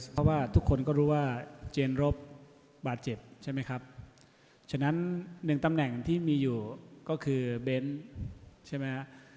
เพราะว่าทุกคนก็รู้ว่าเจนรบบาดเจ็บใช่ไหมครับฉะนั้นหนึ่งตำแหน่งที่มีอยู่ก็คือเบ้นใช่ไหมฮะ